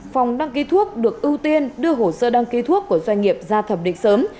phòng đăng ký thuốc được ưu tiên đưa hồ sơ đăng ký thuốc của doanh nghiệp ra thẩm định sớm